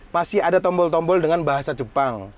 masih ada tombol tombol dengan bahasa jepang